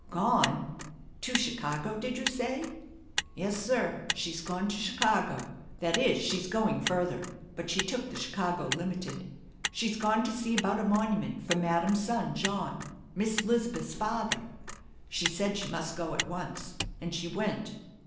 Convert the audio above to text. "Gone? To Chicago, did you say?" "Yes, sir, she's gone to Chicago. That is, she's going further, but she took the Chicago Limited. She's gone to see about a monument for Madam's son John, Miss 'Lizabuth's father. She said she must go at once, and she went."